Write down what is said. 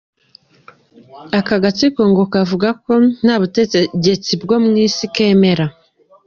Ako gatsiko ngo kavuga ko nta butegetsi bwo mu isi kemera.